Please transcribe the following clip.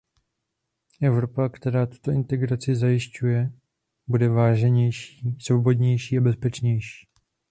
Evropa, která tuto integraci zajišťuje, bude váženější, svobodnější a bezpečnější.